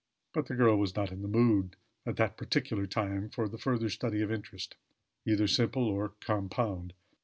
But the girl was not in the mood, at that particular time, for the further study of interest, either simple or compound.